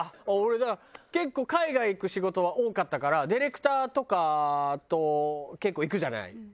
俺だから結構海外行く仕事は多かったからディレクターとかと結構行くじゃない。